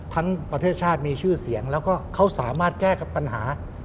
ประเทศชาติมีชื่อเสียงแล้วก็เขาสามารถแก้ปัญหา